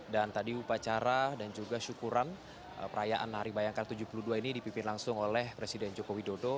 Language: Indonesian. dan tadi upacara dan juga syukuran perayaan hari bayangkara ke tujuh puluh dua ini dipimpin langsung oleh presiden joko widodo